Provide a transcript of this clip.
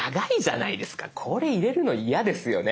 これ入れるの嫌ですよね。